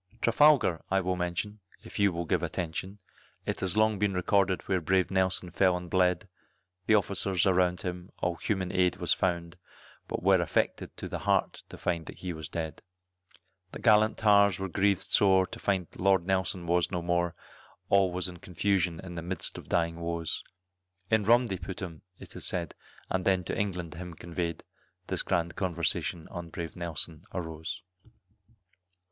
Trafalgar I will mention, if you will give attention, It long has been recorded where brave Nelson fell and bled, The officers around him, all human aid was found, But were affected to the heart to find that he was dead. The gallant tars were grieved sore to find Lord Nelson was no more, All was in confusion in the 'midst of dying woes, In rum they put him, it is said, and then to England him conveyed, This grand conversation on brave Nelson arose.